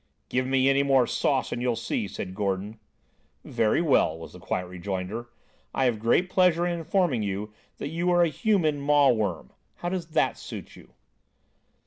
"Give me any more sauce and you'll see," said Gordon. "Very well," was the quiet rejoinder. "I have great pleasure in informing you that you are a human maw worm. How does that suit you?"